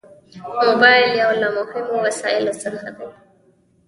موبایل یو له مهمو وسایلو څخه دی.